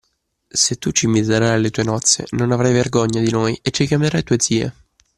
Se tu ci inviterai alle tue nozze, non avrai vergogna di noi e ci chiamerai tue zie